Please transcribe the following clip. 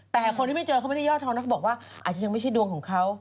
แต่คนที่ไม่เจอเขาก็บอกว่าอาจจะยังไม่ใช่ดวงของเขา